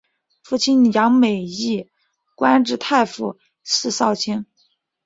父亲杨美益官至太仆寺少卿。